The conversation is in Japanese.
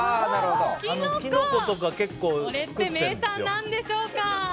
それって名産なんでしょうか？